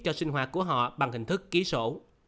cho sinh hoạt của họ bằng hình thức ký sổ